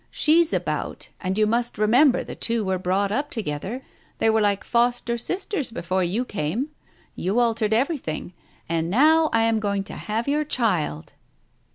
She's about, and you must remember the two were brought up together. They were like foster sisters before you came. You altered everything. And now I am going to have your child!"